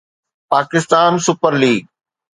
Pakistan super league